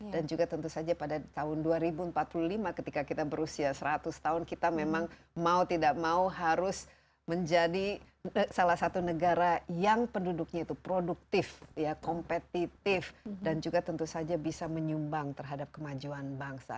dan juga tentu saja pada tahun dua ribu empat puluh lima ketika kita berusia seratus tahun kita memang mau tidak mau harus menjadi salah satu negara yang penduduknya itu produktif ya kompetitif dan juga tentu saja bisa menyumbang terhadap kemajuan bangsa